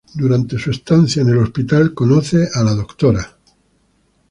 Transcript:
Durante su estadía en el hospital, conoce a la Dra.